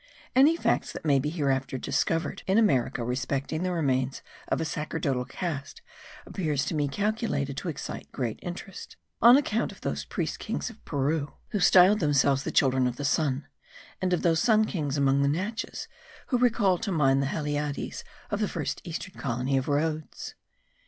Any facts that may hereafter be discovered in America respecting the remains of a sacerdotal caste appears to me calculated to excite great interest, on account of those priest kings of Peru, who styled themselves the children of the Sun; and of those sun kings among the Natchez, who recall to mind the Heliades of the first eastern colony of Rhodes.